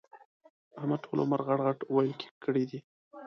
احمد ټول عمر غټ ِغټ ويل کړي دي.